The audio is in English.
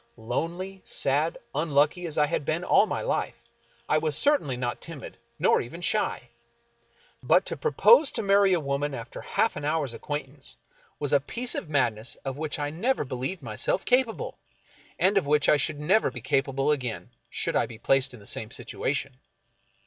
Lonely, sad, unlucky as I had been all my life, I was certainly not timid, nor even shy. But to propose to marry a woman after half an hour's acquaintance was a 38 F. Marion Crawford piece of madness of which I never beheved myself capable, and of which I should never be capable again, could I be placed in the same situation.